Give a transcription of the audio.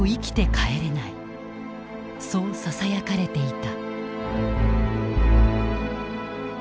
そうささやかれていた。